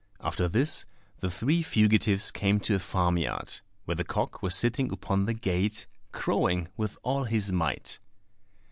After this the three fugitives came to a farm yard, where the cock was sitting upon the gate, crowing with all his might.